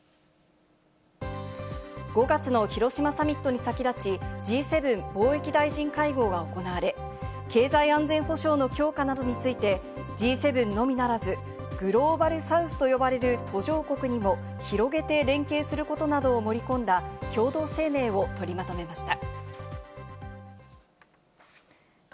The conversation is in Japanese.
５月の広島サミットに先立ち、Ｇ７貿易大臣会合が行われ、経済安全保障の強化などについて、Ｇ７のみならず、グローバルサウスと呼ばれる途上国にも広げて連携することなどを盛り込んだ共同声明を取りまとめました。